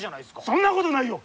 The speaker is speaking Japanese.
そんなことないよ！